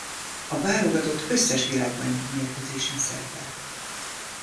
A válogatott összes világbajnoki mérkőzésén szerepelt.